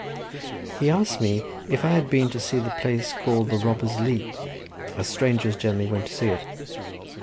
He asked me if I had been to see the place called the Robber's Leap, as strangers generally went to see it.